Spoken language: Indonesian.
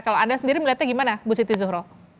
kalau anda sendiri melihatnya gimana bu siti zuhro